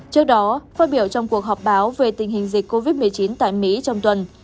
trước đó phát biểu trong cuộc họp báo về tình hình dịch covid một mươi chín tại mỹ trong tuần